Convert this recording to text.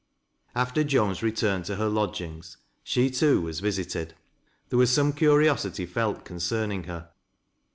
After Joan's return to her lodgings, she, too, was visited. There was some curiosity felt concerning her.